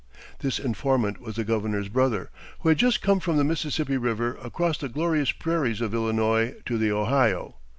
This informant was the Governor's brother, who had just come from the Mississippi River across the glorious prairies of Illinois to the Ohio.